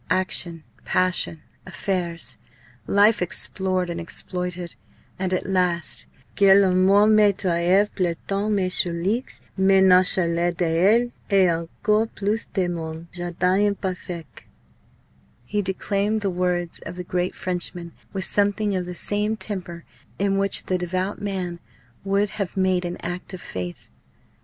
Action, passion, affairs life explored and exploited and at last "que la mort me treuve plantant mes choulx mais nonchalant d'elle! et encore plus de mon jardin imparfaict!" He declaimed the words of the great Frenchman with something of the same temper in which the devout man would have made an act of faith.